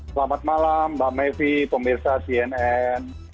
selamat malam mbak mevi pemirsa cnn